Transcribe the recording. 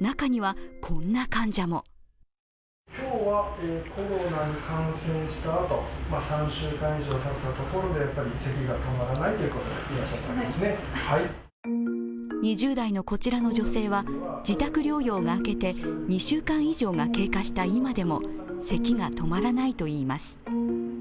中には、こんな患者も２０代のこちらの女性は自宅療養が明けて２週間以上が経過した今でもせきが止まらないといいます。